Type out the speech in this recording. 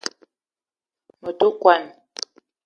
Me te kwuan